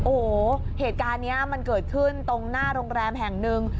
โอ้โหเหตุการณ์นี้มันเกิดขึ้นตรงหน้าโรงแรมแห่งหนึ่ง